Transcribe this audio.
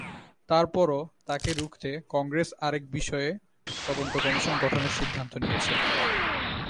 তার পরও তাঁকে রুখতে কংগ্রেস আরেক বিষয়ে তদন্ত কমিশন গঠনের সিদ্ধান্ত নিয়েছে।